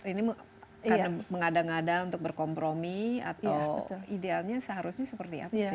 ini karena mengada ngada untuk berkompromi atau idealnya seharusnya seperti apa sih